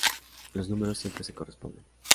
Los números siempre se corresponden.